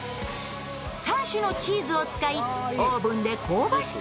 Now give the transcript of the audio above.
３種のチーズを使いオーブンで香ばしく